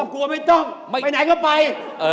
ครอบครัวไม่ต้องไปไหนก็ไป